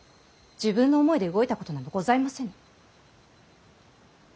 自分の思いで動いたことなどございませぬ。